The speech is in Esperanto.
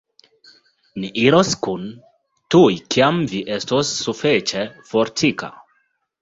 Ni iros kune, tuj kiam vi estos sufiĉe fortika.